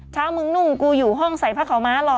เช้ามึงนุ่งกูอยู่ห้องใส่ผ้าขาวม้ารอ